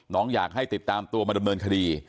อยากให้ติดตามตัวมาดำเนินคดี